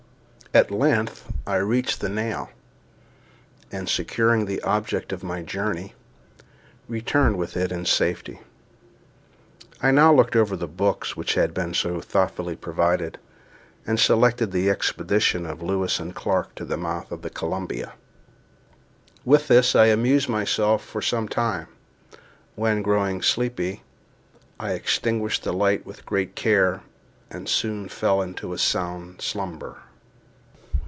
At length I reached the nail, and securing the object of my journey, returned with it in safety. I now looked over the books which had been so thoughtfully provided, and selected the expedition of Lewis and Clarke to the mouth of the Columbia. With this I amused myself for some time, when, growing sleepy, I extinguished the light with great care, and soon fell into a sound slumber.